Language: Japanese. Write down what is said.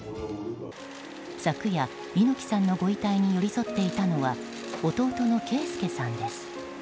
昨夜、猪木さんのご遺体に寄り添っていたのは弟の啓介さんです。